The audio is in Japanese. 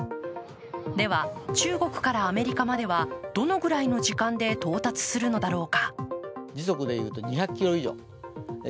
では中国からアメリカまではどのくらいの時間で到達するのだろうか。